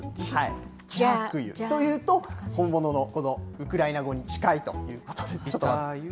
というと、本物のこのウクライナ語に近いということで。